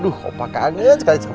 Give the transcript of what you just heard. duh omah kangen sekali sama kamu